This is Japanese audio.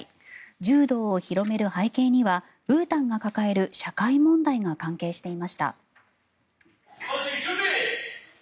柔道を広める背景にはブータンが抱える社会問題が関係していました。